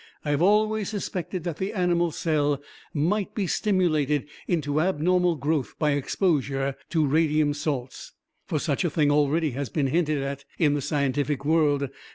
I have always suspected that the animal cell might be stimulated into abnormal growth by exposure to radium salts, for such a thing already has been hinted at in the scientific world.